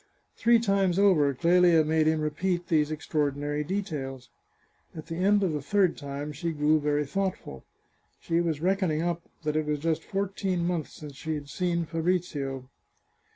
Three times over Clelia made him repeat these extraor dinary details. At the end of the third time she grew very thoughtful. She was reckoning up that it was just fourteen months since she had seen Fabrizio.